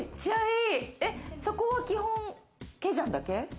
そこは基本ケジャンだけ？